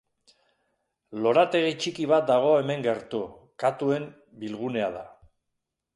Lorategi txiki bat dago hemen gertu, katuen bilgunea da.